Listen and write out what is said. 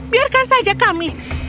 biarkan saja kami